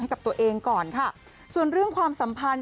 ให้กับตัวเองก่อนค่ะส่วนเรื่องความสัมพันธ์